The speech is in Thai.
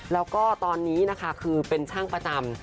แล้วก็ตอนนี้นะคะคือเป็นช่างประจำ